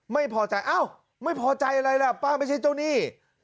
ไม่พอใจอ้าวไม่พอใจอะไรล่ะป้าไม่ใช่เจ้าหนี้